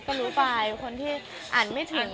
ก็รู้ไปคนที่อ่านไม่ถึง